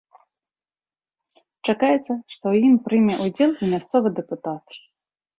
Чакаецца, што ў ім прыме ўдзел і мясцовы дэпутат.